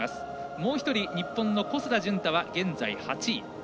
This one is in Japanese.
もう１人、日本の小須田潤太は現在８位。